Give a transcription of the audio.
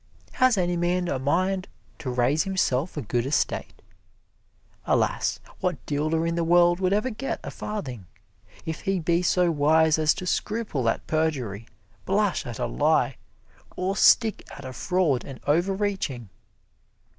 Has any man a mind to raise himself a good estate? Alas, what dealer in the world would ever get a farthing, if he be so wise as to scruple at perjury, blush at a lie, or stick at a fraud and overreaching?